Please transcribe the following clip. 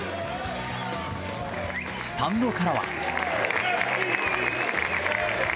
スタンドからは。